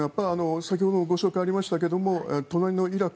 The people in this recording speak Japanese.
先ほどもご紹介ありましたが隣のイラク。